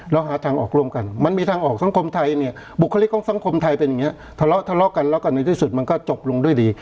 แล้วหาทางออกร่วมกันมันมีทางออกสังคมไทยเนี่ยบุคลิกของสังคมไทยเป็นอย่างนี้ทะเลาะทะเลาะกันแล้วกันในที่สุดมันก็จบลงด้วยดี